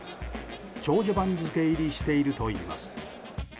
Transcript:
長者番付入りしているといいます。